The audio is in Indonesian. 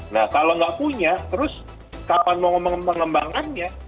nah kalau tidak punya terus kapan mengembangannya